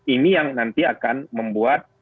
ini yang nanti akan membuat